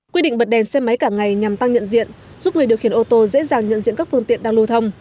quy định bật đèn xe máy cả ngày nhằm tăng nhận diện giúp người điều khiển ô tô dễ dàng nhận diện các phương tiện đang lưu thông